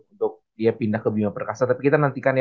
untuk dia pindah ke bima perkasa tapi kita nantikan ya